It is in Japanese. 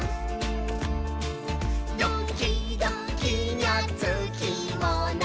「ドキドキにゃつきものさ」